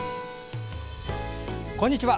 こんにちは。